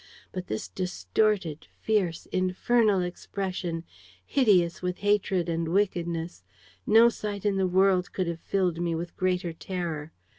But this distorted, fierce, infernal expression, hideous with hatred and wickedness: no sight in the world could have filled me with greater terror.